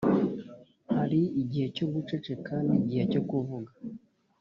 hari igihe cyo guceceka n’igihe cyo kuvuga